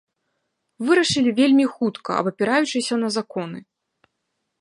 Вырашылі вельмі хутка, абапіраючыся на законы.